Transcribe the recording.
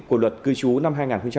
của luật cư chú năm hai nghìn hai mươi